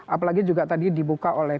apalagi juga tadi dibuka oleh